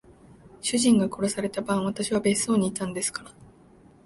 主人が殺された晩、私は別荘にいたんですから。